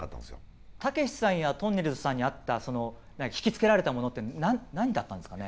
たけしさんやとんねるずさんにあった引き付けられたものって何だったんですかね？